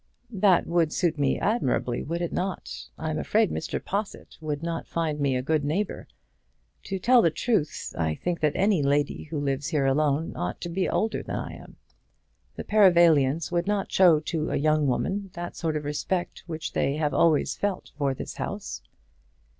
"That would suit me admirably; would it not? I'm afraid Mr. Possitt would not find me a good neighbour. To tell the truth, I think that any lady who lives here alone ought to be older than I am. The Perivalians would not show to a young woman that sort of respect which they have always felt for this house."